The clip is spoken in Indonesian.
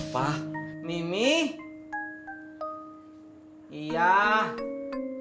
pipi masih di jalan